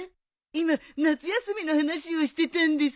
今夏休みの話をしてたんです。